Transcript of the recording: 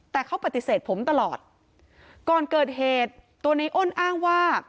แต่เขาปฏิเสธผมตลอดก่อนเกิดเหตุตัวในอ้นอ้างว่า